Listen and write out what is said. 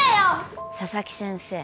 佐々木先生